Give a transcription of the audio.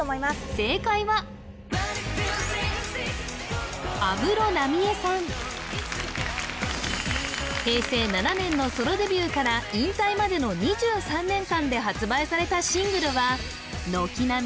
正解は平成７年のソロデビューから引退までの２３年間で発売されたシングルはのきなみ